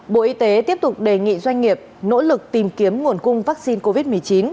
bộ y tế tiếp tục đề nghị doanh nghiệp nỗ lực tìm kiếm nguồn cung vaccine covid một mươi chín